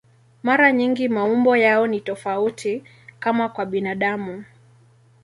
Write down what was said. Mara nyingi maumbo yao ni tofauti, kama kwa binadamu.